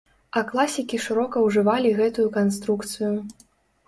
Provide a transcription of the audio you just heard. А класікі шырока ўжывалі гэтую канструкцыю.